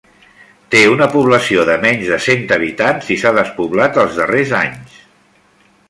Té una població de menys de cent habitants i s'ha despoblat els darrers anys.